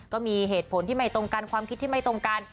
ก็มีเหตุผลที่ไม่ตรงกันความคิดที่ไม่ตรงกัน